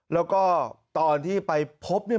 แล้วก็ตอนที่ไปพบเนี่ย